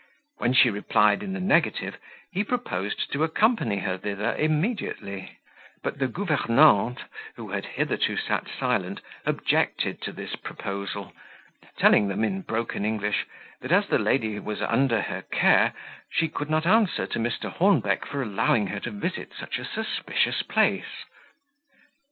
When she replied in the negative, he proposed to accompany her thither immediately; but the governante, who had hitherto sat silent, objected to this proposal; telling them, in broken English, that as the lady was under her care, she could not answer to Mr. Hornbeck for allowing her to visit such a suspicious place.